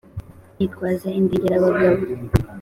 nitwaza indengerabagabo.